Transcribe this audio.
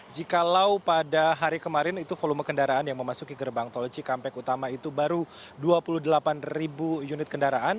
jikalau pada hari kemarin itu volume kendaraan yang memasuki gerbang tol cikampek utama itu baru dua puluh delapan ribu unit kendaraan